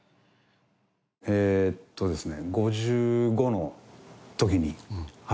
えーっとですね。